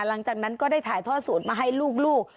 หลังจากนั้นก็ได้ถ่ายทอดสูตรมาให้ลูก